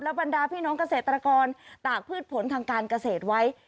บรรดาพี่น้องเกษตรกรตากพืชผลทางการเกษตรไว้